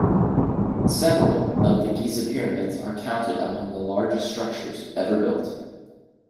Several of the Giza pyramids are counted among the largest structures ever built.